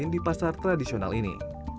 di pasar tradisional ini